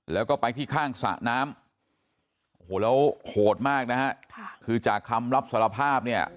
แล้วก็ไปที่ข้างสระน้ำโอ้โหแล้วโหดมากนะฮะคือจากคำรับสารภาพเนี่ย